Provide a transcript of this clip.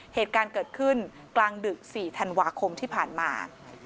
เหตุการณ์เกิดขึ้นกลางดึก๔ธันวาคมที่ผ่านมา